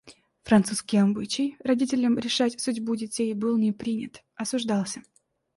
Французский обычай — родителям решать судьбу детей — был не принят, осуждался.